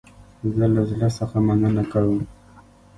زه له زړه څخه مننه کوم